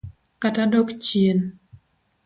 Kata dok chien.